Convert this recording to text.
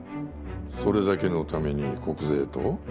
それだけのために国税と？